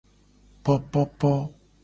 Popopo.